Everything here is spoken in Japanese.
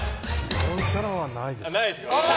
そういったのはないです。